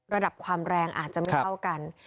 ระดับความแรงอาจจะไม่เท่ากัน